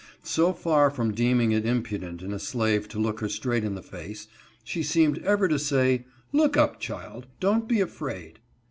So far from deeming it impudent in a slave to look her straight in the face, she seemed ever to say, " look up, child ; don't be afraid."